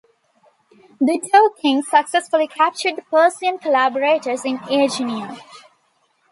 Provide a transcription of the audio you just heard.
The two kings successfully captured the Persian collaborators in Aegina.